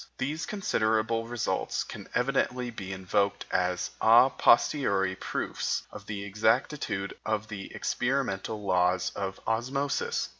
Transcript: These considerable results can evidently be invoked as a posteriori proofs of the exactitude of the experimental laws of osmosis.